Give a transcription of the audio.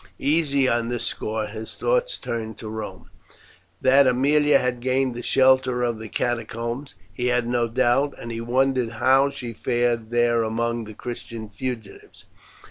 Easy on this score, his thoughts turned to Rome. That Aemilia had gained the shelter of the Catacombs he had no doubt, and he wondered how she fared there among the Christian fugitives.